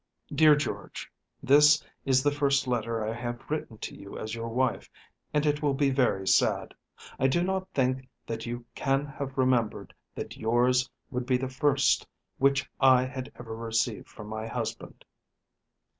DEAR GEORGE, This is the first letter I have written to you as your wife, and it will be very sad. I do not think that you can have remembered that yours would be the first which I had ever received from my husband.